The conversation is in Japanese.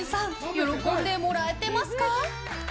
喜んでもらえてますか？